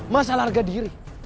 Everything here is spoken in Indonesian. masalah harga diri